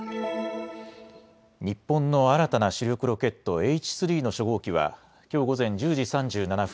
日本の新たな主力ロケット、Ｈ３の初号機はきょう午前１０時３７分